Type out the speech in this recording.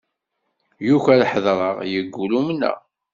Yuker ḥeḍreɣ, yeggul umneɣ.